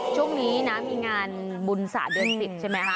ช่วงนี้นะมีงานบุญศาสตร์เดือน๑๐ใช่ไหมคะ